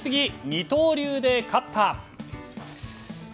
二刀流で勝った。